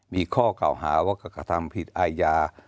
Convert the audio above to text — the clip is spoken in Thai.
มีข้อเก่าหาว่ากระทำผิดอาญา